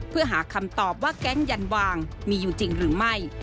เพื่อหาคำตอบว่าแก๊งยันวางมีอยู่จริงหรือไม่